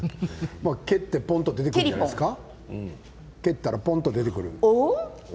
蹴って、ポンと出てくるんじゃないですか？